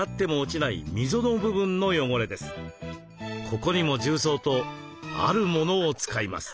ここにも重曹とあるものを使います。